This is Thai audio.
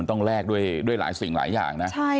ต้องแลกด้วยหลายสิ่งหลายอย่างนะ